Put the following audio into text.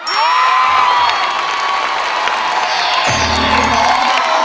ร้องได้